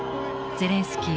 ゼレンスキー！